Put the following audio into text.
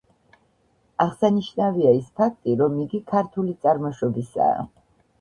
აღსანიშნავია ის ფაქტი, რომ იგი ქართული წარმოშობისაა.